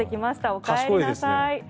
おかえりなさい。